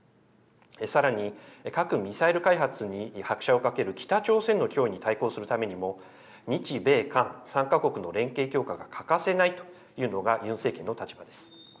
さらに核・ミサイル開発に拍車をかける北朝鮮の脅威に対抗するためにも、日米韓３か国の連携強化が欠かせないというのがユン政権の立場です。